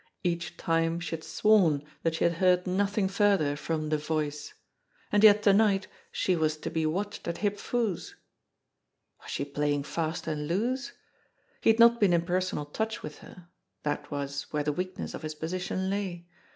Each time she had sworn that she had heard nothing further from the Voice. And yet to night she was to be watched at Hip Foo's ! Was she playing fast and loose ? He had not been in per sonal touch with her that was where the weakness of his position lay.